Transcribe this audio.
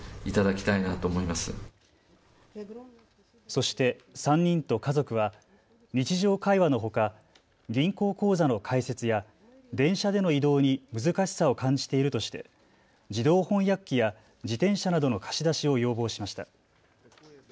そして、３人と家族は日常会話のほか銀行口座の開設や電車での移動に難しさを感じているとして自動翻訳機や自転車などの貸し出しを要望しました。